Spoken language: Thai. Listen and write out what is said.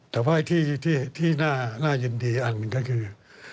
แต่ว่าที่น่ายินดีอันหนึ่งก็คือ